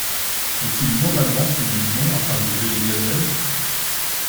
Faut-il moralement tuer les lions afin de sauver les gazelles?